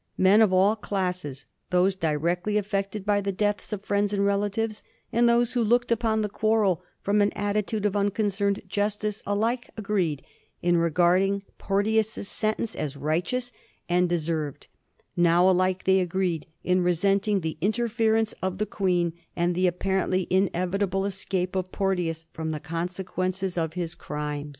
Jlin of all classes, those directly affected by the deaths of friends and relatives, and those who looked upon the quarrel from an attitude of unconcerned justice, alike agrued in regarding Porteons's sentence as righteous and deservi'd; now, alike, they agreed in resenting the in terference of the Queen, and the apparently inevitable escape of Porteous from the consequences of his crime.